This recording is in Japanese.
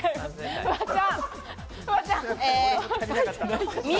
フワちゃん。